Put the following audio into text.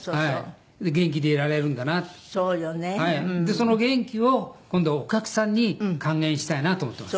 その元気を今度はお客さんに還元したいなと思ってます。